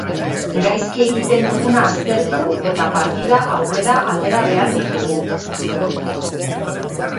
Gaizki egiten duguna aztertu, eta partida aurrera atera behar ditugu.